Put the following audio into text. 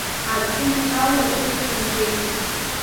Аӡы анҭала, урҭгьы нҵәеит.